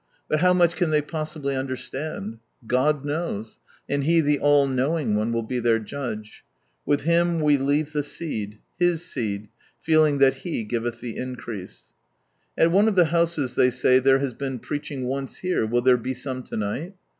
But how much can they possibly understand ? God knows, and He the All knowing One will be their Judge. With Him we leave the seed, Hh seed, feeling that He giveth the increase. At one of the houses they say there has been preaching once here, will there be some to nighl